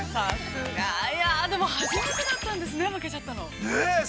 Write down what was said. ◆初めてだったんですね、負けちゃったの。